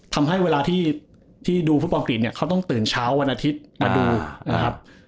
ทำให้เวลาที่ดูฟุตบอลกฤษเนี่ยเขาต้องตื่นเช้าวันอาทิตย์มาดูนะครับ